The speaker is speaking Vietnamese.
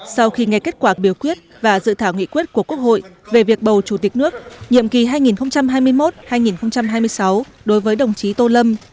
sau khi nghe kết quả biểu quyết và dự thảo nghị quyết của quốc hội về việc bầu chủ tịch nước nhiệm kỳ hai nghìn hai mươi một hai nghìn hai mươi sáu đối với đồng chí tô lâm